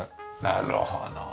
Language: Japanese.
なるほど。